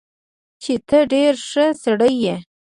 چې تۀ ډېر ښۀ سړے ئې